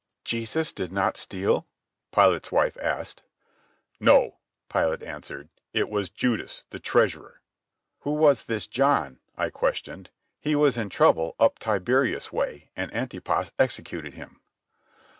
"Jesus did not steal?" Pilate's wife asked. "No," Pilate answered; "it was Judas, the treasurer." "Who was this John?" I questioned. "He was in trouble up Tiberias way and Antipas executed him."